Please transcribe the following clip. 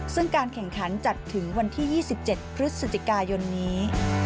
ซึ่งการแข่งขันจัดถึงวันที่๒๗พฤศจิกายนนี้